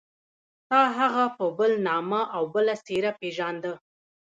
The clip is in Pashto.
تا هغه په بل نامه او بله څېره پېژانده.